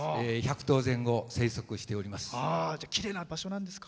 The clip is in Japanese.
きれいな場所なんですか。